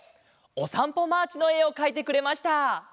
「おさんぽマーチ」のえをかいてくれました。